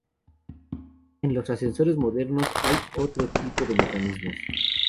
En los ascensores modernos hay otro tipo de mecanismos.